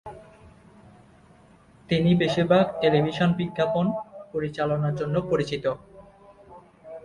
তিনি বেশিরভাগ টেলিভিশন বিজ্ঞাপন পরিচালনার জন্য পরিচিত।